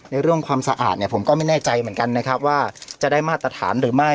แน่ใจเหมือนกันนะครับว่าจะได้มาตรฐานหรือไม่